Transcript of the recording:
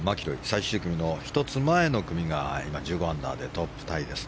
最終組の１つ前の組が今、１５アンダーでトップタイです。